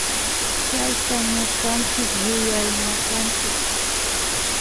Chayta ñukanchik yuyarinakanchik